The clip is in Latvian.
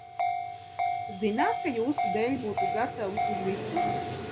Zināt, ka jūsu dēļ būtu gatavs uz visu?